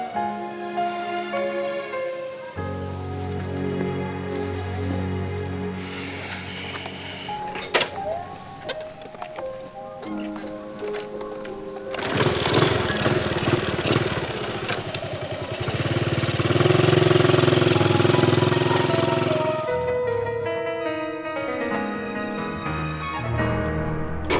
sayaémentar alasan itu